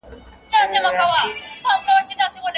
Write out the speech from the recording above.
استاد وویل چي دا ورکړل سوي ماخذونه خاماخا ولولئ.